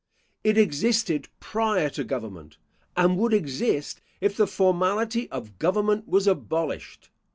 It existed prior to government, and would exist if the formality of government was abolished.